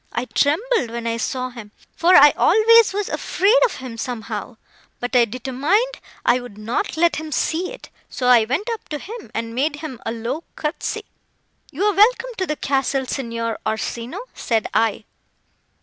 I trembled when I saw him, for I always was afraid of him, somehow; but I determined I would not let him see it; so I went up to him, and made him a low curtesy, 'You are welcome to the castle, Signor Orsino,' said I."